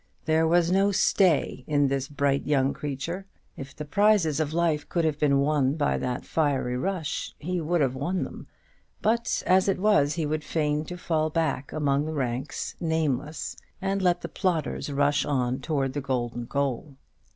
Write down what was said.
There was no "stay" in this bright young creature. If the prizes of life could have been won by that fiery rush, he would have won them; but as it was, he was fain to fall back among the ranks nameless, and let the plodders rush on towards the golden goal.